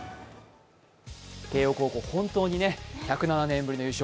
慶応高校、本当に１０７年ぶりの優勝